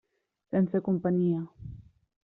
Sense companyia.